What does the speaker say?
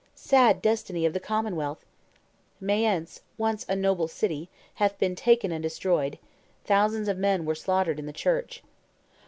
Sad destiny of the commonwealth! Mayence, once a noble city, hath been taken and destroyed; thousands of men were slaughtered in the church.